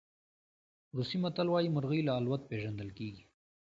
روسي متل وایي مرغۍ له الوت پېژندل کېږي.